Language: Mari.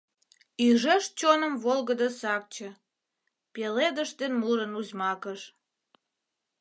Ӱжеш чоным волгыдо сакче Пеледыш ден мурын узьмакыш.